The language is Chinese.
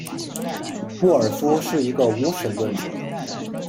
沃尔夫是一个无神论者。